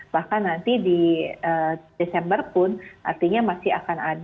bahkan nanti di desember pun artinya masih akan ada